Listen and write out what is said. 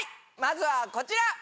まずはこちら！